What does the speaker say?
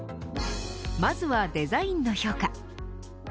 まずはデザインの評価。